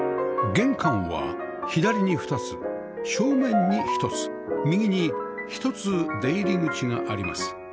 玄関は左に２つ正面に１つ右に１つ出入り口があります